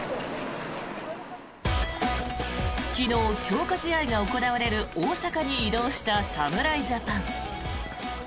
昨日、強化試合が行われる大阪に移動した侍ジャパン。